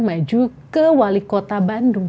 maju ke wali kota bandung